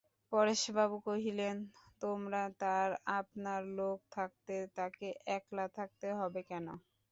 পরেশবাবু কহিলেন, তোমরা তাঁর আপনার লোক থাকতে তাঁকে একলা থাকতে হবে কেন?